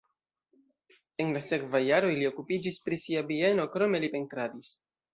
En la sekvaj jaroj li okupiĝis pri sia bieno, krome li pentradis.